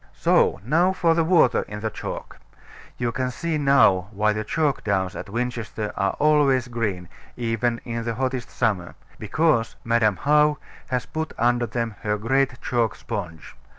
So now for the water in the chalk. You can see now why the chalk downs at Winchester are always green, even in the hottest summer: because Madam How has put under them her great chalk sponge.